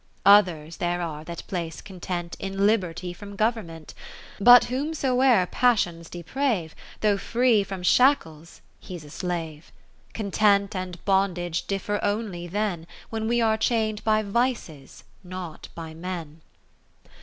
Others there are that place Con tent In liberty from Government : But whomsoe'er Passions deprave. Though free from shackles, he's a slave. Content and Bondage differ only then. When we are chain'd by vices, not by men.